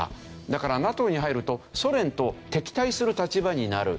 だからＮＡＴＯに入るとソ連と敵対する立場になる。